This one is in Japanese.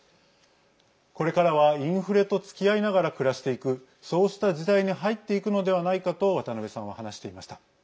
これからはインフレとつきあいながら暮らしていくそうした時代に入っていくのではないかと渡辺さんは話していました。